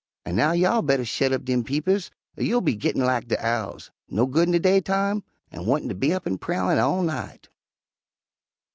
An' now y'all better shet up dem peepers er you'll be gittin' lak de owls, no good in de day time, an' wantin' ter be up an' prowlin' all night."